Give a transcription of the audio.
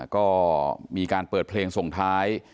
ก็มีการเปิดเพลงส่งท้าย